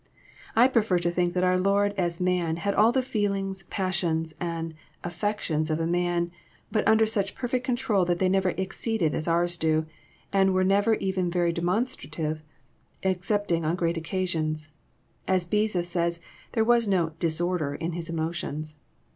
I prefer to think that our Lord as man had all the feelings, passions, and affections of a man, but all under such perfect con trol that they never exceeded as ours do, and were never even very demonstrative, excepting on great occasions. As Beza says, there was no *' disorder " in His emotions.